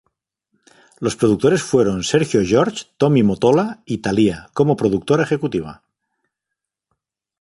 Los productores fueron Sergio George, Tommy Mottola y Thalía como productora ejecutiva.